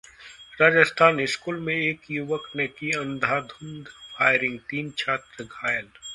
Rajasthan: school में एक युवक ने की अंधाधुंध फायरिंग, तीन छात्र घायल